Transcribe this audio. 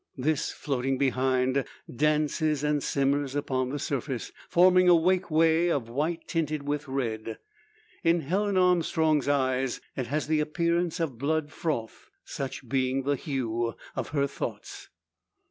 This, floating behind, dances and simmers upon the surface, forming a wake way of white tinted with red. In Helen Armstrong's eyes it has the appearance of blood froth such being the hue of her thoughts.